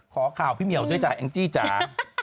ขอข่าวพี่เหมียวด้วยจ้ะแองจี้จ๋า